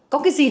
có cái gì đó